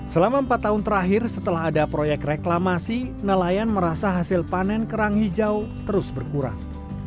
selama empat tahun terakhir setelah ada proyek reklamasi nelayan merasa hasil panen kerang hijau terus berkurang